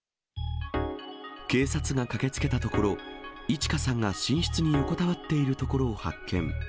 警察が駆けつけたところ、いち花さんが寝室に横たわっているところを発見。